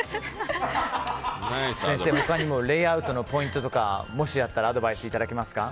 先生、他にもレイアウトのポイントとかもしあったらアドバイスいただけますか。